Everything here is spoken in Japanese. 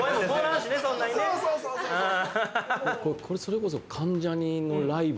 これそれこそ。